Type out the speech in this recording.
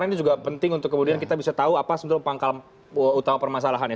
karena ini juga penting untuk kemudian kita bisa tahu apa sebenarnya pangkal utama permasalahannya